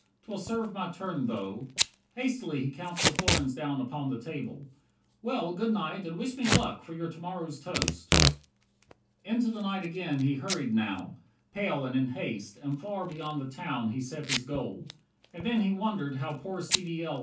'Twill serve my turn though " Hastily he counts The florins down upon the table. "Well, Good night, and wish me luck for your to morrow's toast." 64 Into the night again he hurried, now Pale and in haste; and far beyond the town He set his goal. And then he wondered how Poor C. D. L.